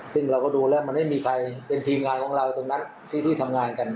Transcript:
ซึ่งเราก็ดูแล้วมันไม่มีใครเป็นทีมงานของเราตรงนั้นที่ทำงานกัน